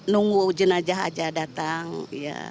nunggu jenajah aja datang ya